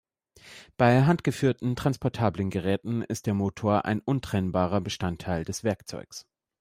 Bei handgeführten, transportablen Geräten ist der Motor ein untrennbarer Bestandteil des Werkzeugs.